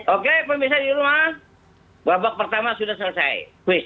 oke pemirsa di rumah babak pertama sudah selesai